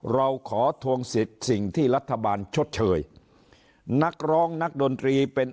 เราขอทวงสิทธิ์สิ่งที่รัฐบาลชดเชยนักร้องนักดนตรีเป็น